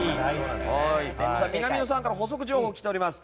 南野さんから補足情報が来ております。